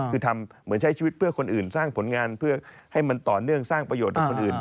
คือทำเหมือนใช้ชีวิตเพื่อคนอื่นสร้างผลงานเพื่อให้มันต่อเนื่องสร้างประโยชน์กับคนอื่น